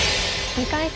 ２回戦